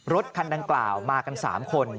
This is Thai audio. รถคันดังกล่าวมากัน๓คน